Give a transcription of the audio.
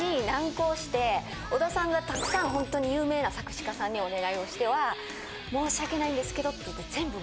織田さんがたくさんほんとに有名な作詞家さんにお願いをしては「申し訳ないんですけど」っていって。